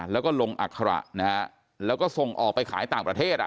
แล้วก็ลงอัคระนะฮะแล้วก็ส่งออกไปขายต่างประเทศ